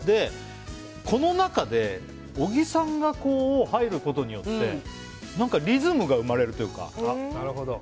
この中で、小木さんが入ることによって何かリズムが生まれるというか。